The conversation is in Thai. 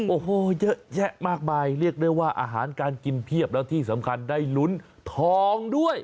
โอ้โหเยอะแยะมากมายเรียกได้ว่าอาหารการกินเพียบแล้วที่สำคัญได้ลุ้นทองด้วย